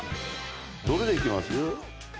どれでいきます？